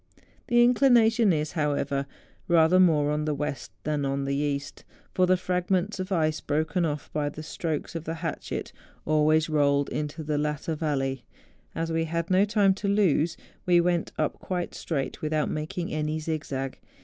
The inclination is, however, rather more on the west than on the east, for the fragments of ice broken off by the strokes of the hatchet always rolled into the latter vallej^ As we had no time to lose, we went up quite straight without making any zigzag.